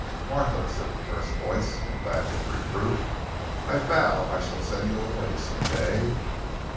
"Martha!" said the first voice in laughing reproof, "I vow I shall send you away some day!"